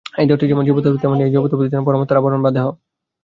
এই দেহটি যেমন জীবাত্মার আবরণ, তেমনি এই জীবাত্মা যেন পরমাত্মার আবরণ বা দেহ।